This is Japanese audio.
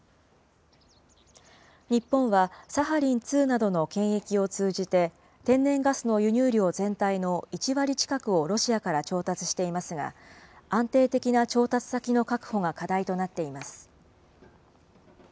日本は、サハリン２などの権益を通じて、天然ガスの輸入量全体の１割近くをロシアから調達していますが、安定的な調達先の確保が課題となっています。